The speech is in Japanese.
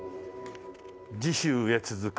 次週へ続く。